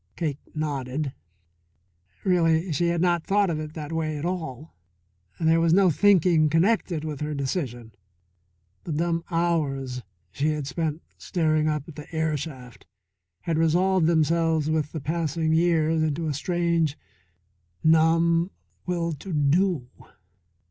Cake nodded. Really she had not thought of it that way at all. There was no thinking connected with her decision. The dumb hours she had spent staring up the air shaft had resolved themselves with the passing years into a strange, numb will to do.